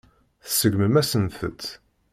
Tseggmem-asent-tt.